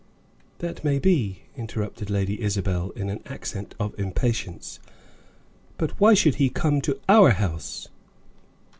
"That may be," interrupted Lady Isabel, in an accent of impatience; "but why should he come to our house?"